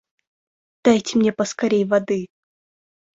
Дайте мне поскорей воды!